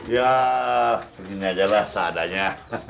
ya begini aja lah seadanya